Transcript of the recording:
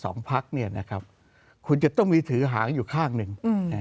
สิ่งที่สำคัญที่สุดพักใหญ่๒พักคุณจะต้องมีถือหางอยู่ข้างหนึ่ง